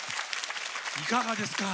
いかがですか？